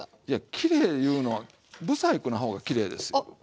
きれいいうのは不細工な方がきれいですよ。